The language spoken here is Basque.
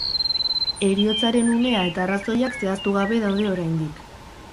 Heriotzaren unea eta arrazoiak zehaztu gabe daude oraindik.